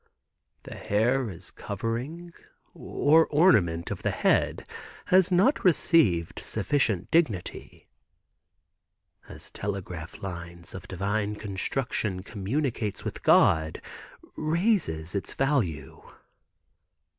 "The hair as covering or ornament of the head has not received sufficient dignity. As telegraph lines of divine construction communes with God, raises its value."